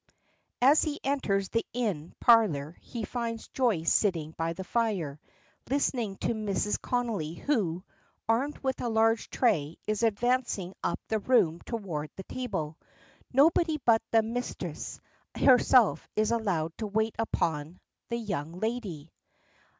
As he enters the inn parlor he finds Joyce sitting by the fire, listening to Mrs. Connolly, who, armed with a large tray, is advancing up the room toward the table. Nobody but the "misthress" herself is allowed to wait upon "the young lady."